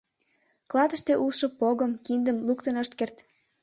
Клатыште улшо погым, киндым луктын ышт керт.